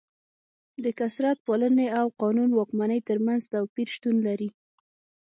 د کثرت پالنې او قانون واکمنۍ ترمنځ توپیر شتون لري.